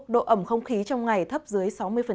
độ ẩm không khí trong ngày thấp dưới sáu mươi